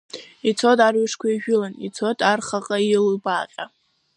Ицоит арҩашқәа еижәылан, ицоит архаҟа илбааҟьа.